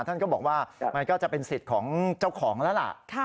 ท่านก็บอกว่ามันก็จะเป็นสิทธิ์ของเจ้าของแล้วล่ะ